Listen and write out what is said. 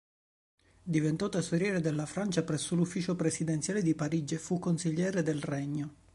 Diventò tesoriere della Francia presso l'Ufficio presidenziale di Parigi ed fu consigliere del regno.